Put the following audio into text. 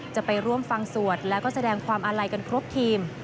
จะไปร่วมฟังสวดแล้วก็แสดงความอาลัยกันครบทีม